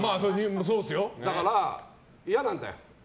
だから、嫌なんだよ。